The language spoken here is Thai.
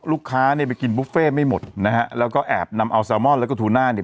ลูกค้าเนี่ยไปกินบุฟเฟ่ไม่หมดนะฮะแล้วก็แอบนำเอาแซลมอนแล้วก็ทูน่าเนี่ย